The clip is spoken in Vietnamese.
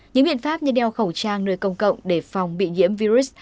những biện pháp như đeo khẩu trang nơi công cộng để phòng bị nhiễm virus